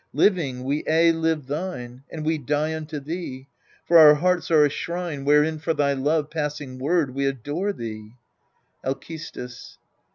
Living, we aye live thine, And we die unto thee ; for our hearts are a shrine Wherein for thy love passing word we adore thee ! Alcestis.